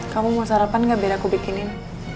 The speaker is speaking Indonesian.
kamu mau sarapan gak biar aku bikinin